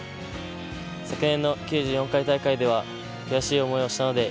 昨年の９４回大会では悔しい思いをしたので